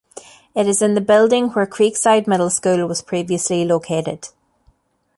It is in the building where Creekside Middle School was previously located.